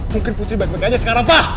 mungkin putri baik baik aja sekarang pa